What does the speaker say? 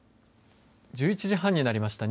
１１時半になりました。